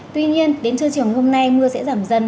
tuy nhiên đến trưa chiều hôm nay mưa sẽ giảm dần